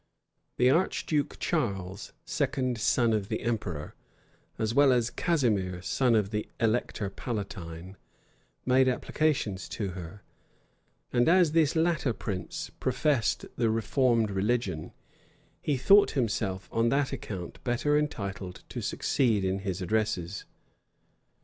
The archduke Charles, second son of the emperor,[*] as well as Casimir, son of the elector palatine, made applications to her; and as this latter prince professed the reformed religion, he thought himself, on that account, better entitled to succeed in his addresses.